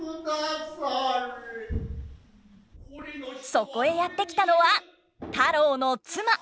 そこへやって来たのは太郎の妻。